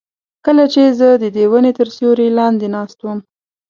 کله چې زه ددې ونې تر سیوري لاندې ناست وم.